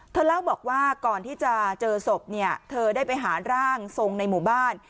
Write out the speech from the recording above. เล่าบอกว่าก่อนที่จะเจอศพเนี่ยเธอได้ไปหาร่างทรงในหมู่บ้าน